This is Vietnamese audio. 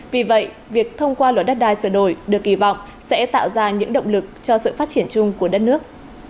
vì vậy việc thông qua luật đất đai sửa đổi được kỳ vọng sẽ tạo ra những động lực cho sự phát triển chung của đất nước